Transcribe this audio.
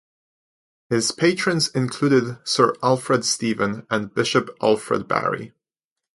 His patrons included Sir Alfred Stephen and Bishop Alfred Barry.